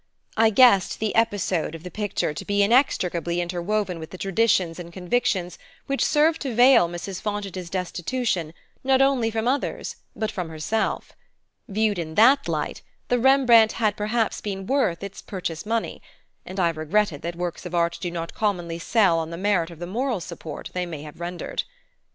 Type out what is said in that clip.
I guessed the episode of the picture to be inextricably interwoven with the traditions and convictions which served to veil Mrs. Fontage's destitution not only from others but from herself. Viewed in that light the Rembrandt had perhaps been worth its purchase money; and I regretted that works of art do not commonly sell on the merit of the moral support they may have rendered.